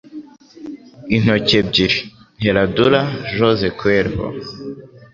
Intoki ebyiri, Herradura, Jose Cuervo